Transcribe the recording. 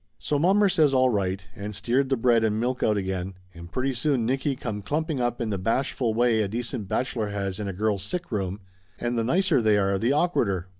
So mommer says all right, and steered the bread and milk out again and pretty soon Nicky come clumping up in the bashful way a decent bachelor has in a girl's sick room, and the nicer they are the awkwarder.